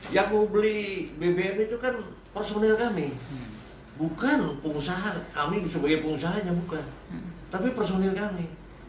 yang membeli bbm itu kan personil kami bukan pengusaha kami sebagai pengusaha tapi personil kami